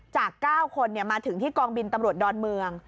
จาก๙คนมาถึงที่กองบินตำรวจดอนเมือง